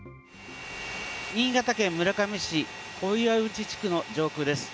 新潟県村上市小岩内地区の上空です。